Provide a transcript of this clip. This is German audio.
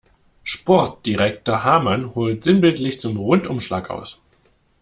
Sportdirektor Hamann holt sinnbildlich zum Rundumschlag aus.